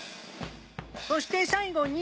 そして最後に。